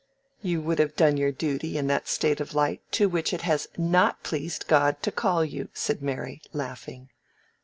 "You would have done your duty in that state of life to which it has not pleased God to call you," said Mary, laughing.